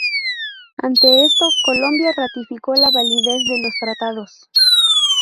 Ante esto, Colombia ratificó la validez de los tratados.